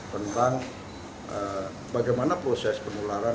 tentang bagaimana proses penularan